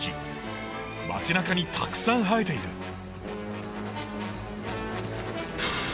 街なかにたくさん生えている！